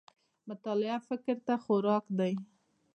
مطالعه فکر ته خوراک دی